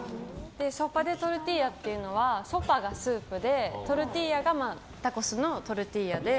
ソパ・デ・トルティーヤはソパがスープで、トルティーヤがタコスのトルティーヤで。